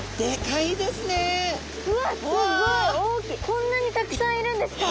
こんなにたくさんいるんですか？